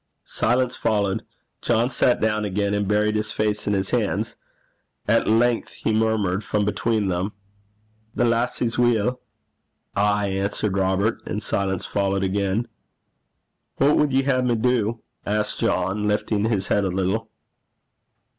Silence followed. John sat down again, and buried his face in his hands. At length he murmured from between them, 'The lassie's weel?' 'Ay,' answered Robert; and silence followed again. 'What wad ye hae me do?' asked John, lifting his head a little.